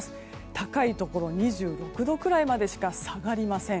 高いところ２６度くらいまでしか下がりません。